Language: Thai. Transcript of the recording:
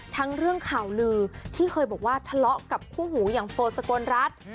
ทั้งเรื่องข่าวลือที่เคยบอกว่าทะเลาะกับคู่หูอย่างโฟสกลรัฐ